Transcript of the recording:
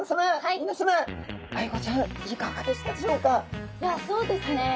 いやそうですね